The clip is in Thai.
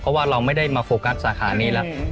เพราะว่าเราไม่ได้มาโฟกัสสาขานี้แล้ว